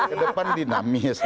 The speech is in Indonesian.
ke depan dinamis